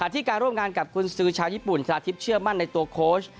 ที่การร่วมงานกับกุญสือชาวญี่ปุ่นชนะทิพย์เชื่อมั่นในตัวโค้ช